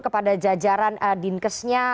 kepada jajaran dinkesnya